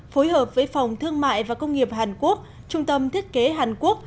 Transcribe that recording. phối hợp với phòng thương mại và công nghiệp hàn quốc trung tâm thiết kế hàn quốc